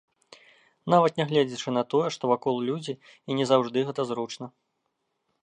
Нават нягледзячы на тое, што вакол людзі і не заўжды гэта зручна.